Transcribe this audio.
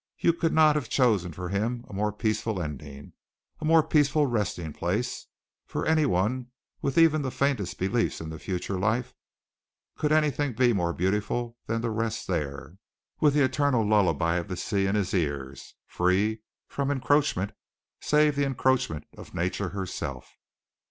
You could not have chosen for him a more peaceful ending, a more peaceful resting place. For anyone with even the faintest beliefs in the future life could anything be more beautiful than to rest there, with the eternal lullaby of the sea in his ears, free from encroachment, save the encroachment of nature herself?"